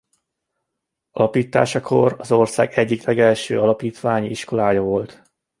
Alapításakor az ország egyik legelső alapítványi iskolája volt.